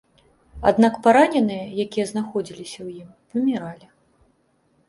Аднак параненыя, якія знаходзіліся ў ім, паміралі.